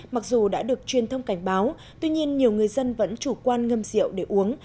mặc dù đã được truyền thông cảnh báo tuy nhiên nhiều người dân vẫn chủ quan ngâm rượu để uống